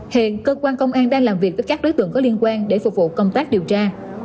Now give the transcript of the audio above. hiện cơ quan công an đang làm việc với các đối tượng có liên quan để phục vụ công tác điều tra